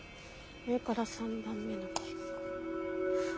上から３番目の右から。